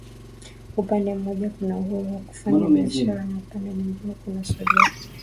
Upande mmoja kuna Uhuru wa kufanya biashara na upande mwingine kuna Suluhu